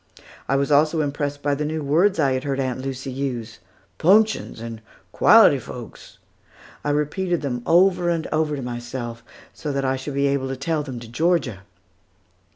I was also impressed by the new words which I had heard Aunt Lucy use, "'punctions," and "quality folks." I repeated them over and over to myself, so that I should be able to tell them to Georgia.